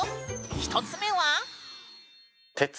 １つ目は。